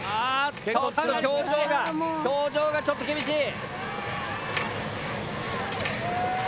ちょっと表情が表情がちょっと厳しい。